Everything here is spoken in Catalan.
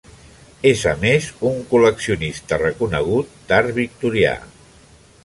És, a més, un col·leccionista reconegut d'Art Victorià.